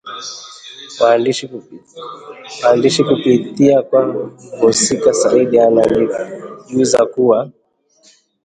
Mwandishi kupitia kwa mhusika Sidi anatujuza kuwa